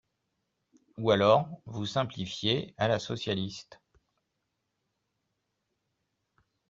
Ou alors, vous simplifiez à la socialiste